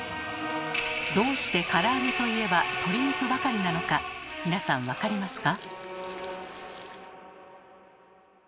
どうしてから揚げといえば鶏肉ばかりなのか皆さん分かりますか？